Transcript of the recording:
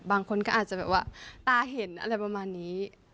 บางคนก็อาจจะแบบว่าตาเห็นอะไรประมาณนี้